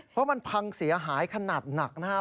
เพราะมันพังเสียหายขนาดหนักนะครับ